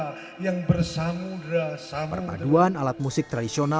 tanpa mengurangi sisi keagamaan sampah kgusuran seakan menjadi magnet bagi kita